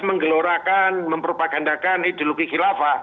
menggelorakan memperpagandakan ideologi khilafah